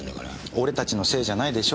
俺たちのせいじゃないでしょ。